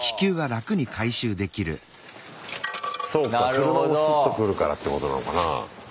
そうか車もスッと来るからってことなのかな。